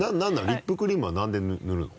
リップクリームは何で塗るの？